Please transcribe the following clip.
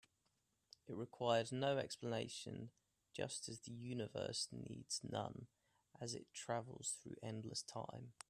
It required no explanation, just as the universe needs none as it travels through endless time.